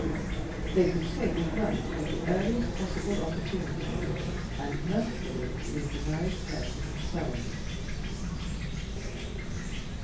They could say good night at the earliest possible opportunity, and mercifully leave the married pair to themselves.